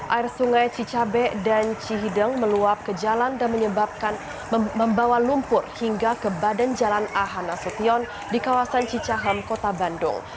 air sungai cicabek dan cihideng meluap ke jalan dan menyebabkan membawa lumpur hingga ke badan jalan ahanasution di kawasan cicahem kota bandung